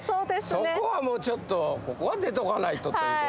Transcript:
そこはちょっとここは出とかないとということで。